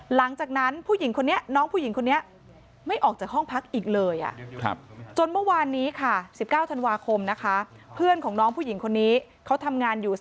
หลังจากนั้นน้องผู้หญิงคนนี้ไม่ออกจากห้องพักอีกเลย